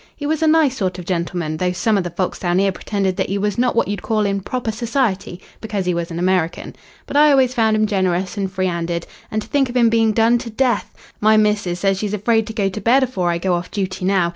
He was a nice sort of gentleman, though some of the folks down here pretended that 'e was not what you'd call in proper society, because he was an American. But I always found 'im generous and free 'anded. And to think of 'im being done to death! My missus says she's afraid to go to bed afore I go off duty now.